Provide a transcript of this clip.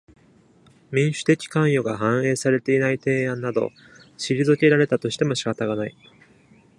民主的関与が反映されていない提案など、退けられたとしても仕方がない。